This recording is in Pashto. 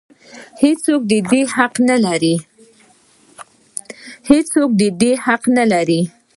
هېڅ څوک د دې حق نه لري.